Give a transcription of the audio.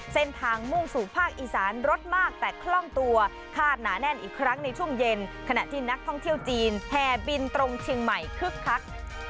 เส้นทางมุ่งสู่ภาคอีสานรถมากแต่คล่องตัวคาดหนาแน่นอีกครั้งในช่วงเย็นขณะที่นักท่องเที่ยวจีนแห่บินตรงเชียงใหม่คึกคัก